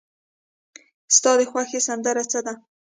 ستا د خوښې سندره څه ده؟